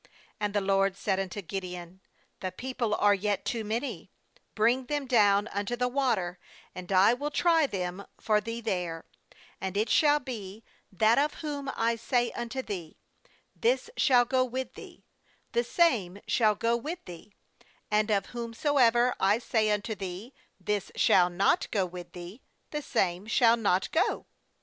4And the LORD said unto Gideon* 'The people are yet too many; bring them down unto the water, and I will try them for thee there; and it shall be, that of whom I say unto thee: This shall go with thee, the same shall go with thee; and of whom soever I say unto thee: This shall not go with thee, the same shall not go.'